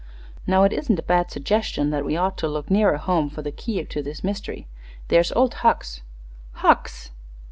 Now, it isn't a bad suggestion that we ought to look nearer home for the key to this mystery. There's old Hucks." "Hucks!"